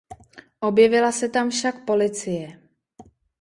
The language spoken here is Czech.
Objevila se tam však policie.